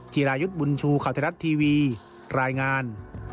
จิรายุทธ์บุญชูข่าวไทยรัฐทีวีรายงาน